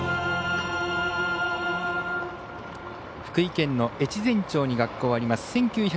福井県の越前町に学校があります。